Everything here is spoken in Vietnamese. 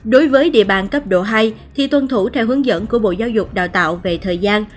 đối với địa bàn cấp độ hai thì tuân thủ theo hướng dẫn của bộ giáo dục đào tạo về thời gian